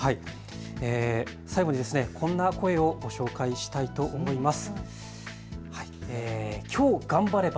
最後にこんな声をご紹介したいと思います。